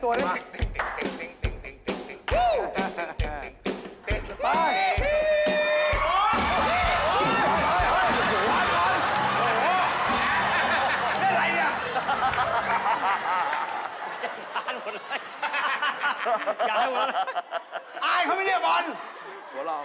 อ้ายเค้าไม่ได้เรียกพว่าน